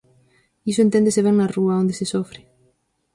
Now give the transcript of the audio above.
Iso enténdese ben na rúa, onde se sofre.